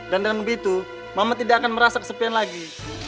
dan dengan begitu mama tidak akan merasa kesepian lagi